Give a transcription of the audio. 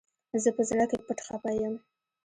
زه په زړه کي پټ خپه يم